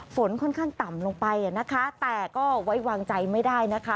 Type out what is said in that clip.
ฝนค่อนข้างต่ำลงไปนะคะแต่ก็ไว้วางใจไม่ได้นะคะ